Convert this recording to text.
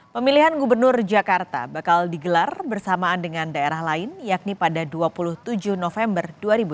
pemilihan gubernur jakarta bakal digelar bersamaan dengan daerah lain yakni pada dua puluh tujuh november dua ribu tujuh belas